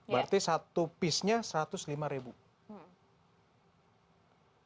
berarti satu piece nya rp satu ratus lima